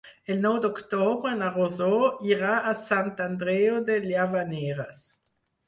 El nou d'octubre na Rosó irà a Sant Andreu de Llavaneres.